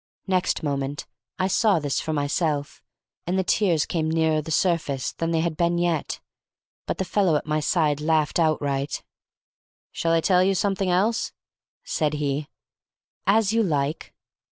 Next moment I saw this for myself, and my tears came nearer the surface than they had been yet; but the fellow at my side laughed outright. "Shall I tell you something else?" said he. "As you like."